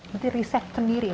berarti riset sendiri